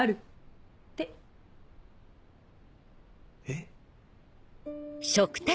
えっ？